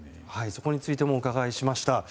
それについてもお伺いしました。